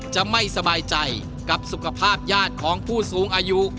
จะไม่สบายใจกับสุขภาพญาติของผู้สูงอายุ